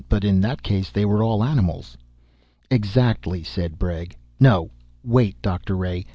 But in that case, they were all animals." "Exactly," said Bregg. "No, wait, Doctor Ray.